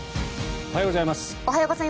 おはようございます。